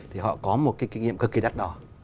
thì họ có một cái kinh nghiệm cực kỳ đắt đỏ